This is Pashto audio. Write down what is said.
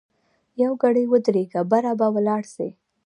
یوګړی ودریږه باره به ولاړ سی.